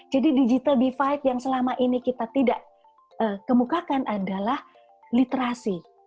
jadi digital divide yang selama ini kita tidak kemukakan adalah literasi